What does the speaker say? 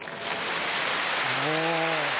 お。